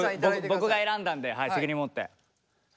僕が選んだんで責任持って。